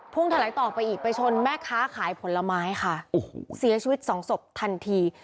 ถลายต่อไปอีกไปชนแม่ค้าขายผลไม้ค่ะโอ้โหเสียชีวิตสองศพทันที